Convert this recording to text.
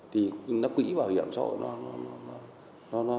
thì nó quỹ bảo hiểm xã hội nó